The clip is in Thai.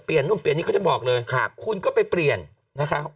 เปลี่ยนนุ่มเปลี่ยนนี่เขาจะบอกเลยคุณก็ไปเปลี่ยนนะครับ